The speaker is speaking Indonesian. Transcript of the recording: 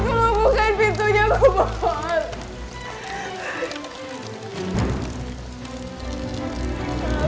tolong bukain pintunya bu bor